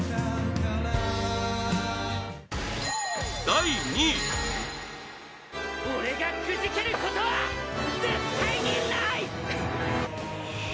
第２位炭治郎：俺がくじけることは絶対にない！